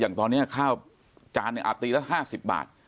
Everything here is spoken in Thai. อย่างตอนนี้ข้าวจานหนึ่งตีละ๕๐บาท